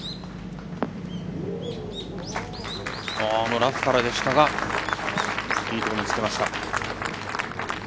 ラフからでしたがいいところにつけました。